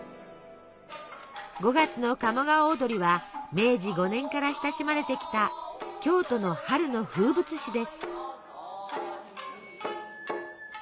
５月の「鴨川をどり」は明治５年から親しまれてきた京都の春の風物詩です。